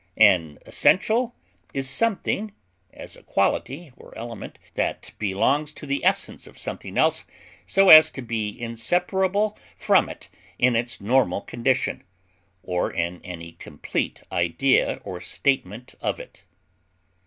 An essential is something, as a quality, or element, that belongs to the essence of something else so as to be inseparable from it in its normal condition, or in any complete idea or statement of it.